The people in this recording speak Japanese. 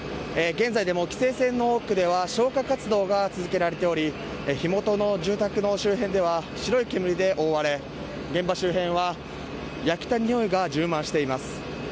現在、規制線の奥では消火活動が続けられており火元の住宅の周辺では白い煙で覆われ、現場周辺は焼けたにおいが充満しています。